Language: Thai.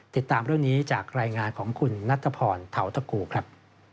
ติดตามเรื่องนี้จากรายงานของคุณนัทพรเทาตะกูครับ